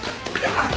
あっ！